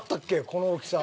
この大きさ。